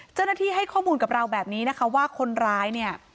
เจ้าหน้าที่ให้ข้อมูลกับเราแบบนี้นะคะว่าคนร้ายเนี่ย